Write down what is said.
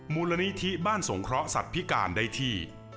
มูลนิธิบ้านสงเคราะห์สัตว์พิการได้ที่